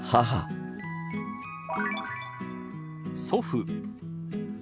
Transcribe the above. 「祖父」。